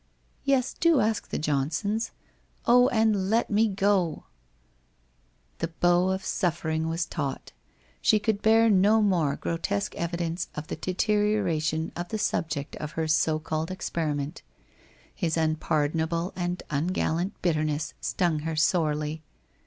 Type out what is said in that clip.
' Yes, do ask the Johnsons. Oh, and let me go !' The bow of suffering was taut. She could bear no more grotesque evidence of the deterioration of the sub ject of her so called experiment. His unpardonable and ungallant bitterness stung her sorely.